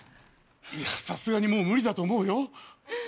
いやさすがにもう無理だと思うよ？